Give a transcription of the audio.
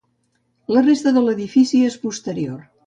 La resta de l’edifici és posterior.